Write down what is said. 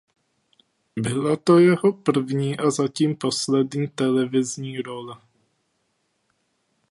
Byla to jeho první a zatím poslední televizní role.